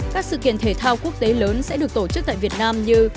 các sự kiện thể thao quốc tế lớn sẽ được tổ chức tại việt nam như